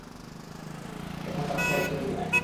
ওখানকার ফাইলটা নিয়ে আয়।